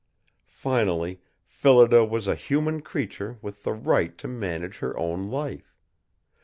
Finally, Phillida was a human creature with the right to manage her own life.